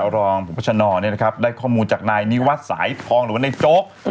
รองพบชนได้ข้อมูลจากนายนิวัตรสายทองหรือว่านายโจ๊ก